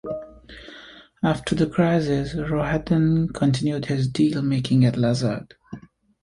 After the crisis, Rohatyn continued his deal making at Lazard.